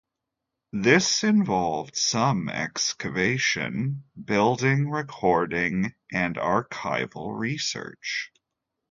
This involved some excavation, building recording and archival research.